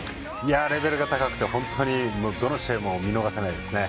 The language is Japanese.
レベルが高くて本当にどの試合も見逃せないですね。